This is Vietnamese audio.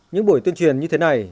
những buổi tuyên truyền như thế này